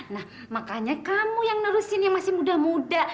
nah makanya kamu yang nerusin yang masih muda muda